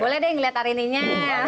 boleh deh ngeliat arininya